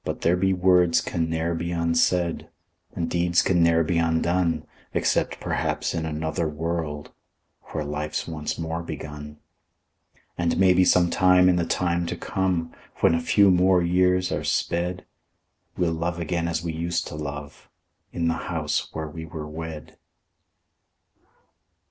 But there be words can ne'er be unsaid, And deeds can ne'er be undone, Except perhaps in another world, Where life's once more begun. And maybe some time in the time to come, When a few more years are sped, We'll love again as we used to love, In the house where we were wed.